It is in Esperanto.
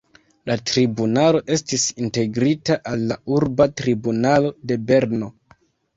La tribunalo estis integrita al la urba tribunalo de Berno.